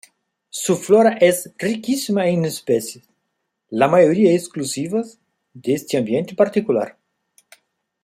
Su flora es riquísima en especies, la mayoría exclusivas de este ambiente particular.